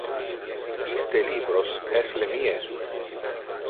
Iste libros es le mies.